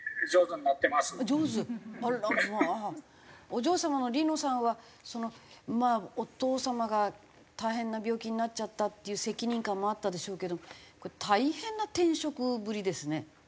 お嬢様の梨乃さんはまあお父様が大変な病気になっちゃったっていう責任感もあったでしょうけど大変な転職ぶりですね。